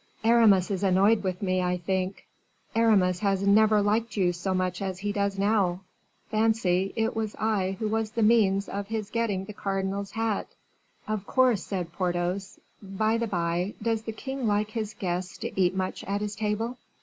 "Aramis is annoyed with me, I think." "Aramis has never liked you so much as he does now. Fancy, it was I who was the means of his getting the cardinal's hat." "Of course," said Porthos. "By the by, does the king like his guests to eat much at his table?"